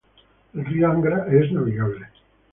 El río Angra es navegable.